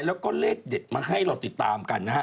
แล้วก็เลขเด็ดมาให้เราติดตามกันนะฮะ